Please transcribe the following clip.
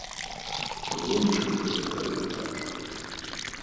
Ныом чэтжъыехэр егъашхэх.